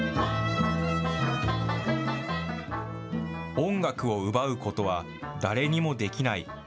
音楽を奪うことは誰にもできない。